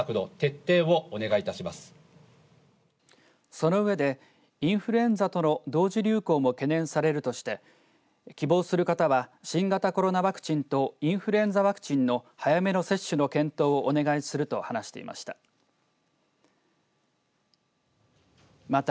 その上で、インフルエンザとの同時流行も懸念されるとして希望する方は新型コロナワクチンとインフルエンザワクチンの早めの接種の検討をお願いすると話していました。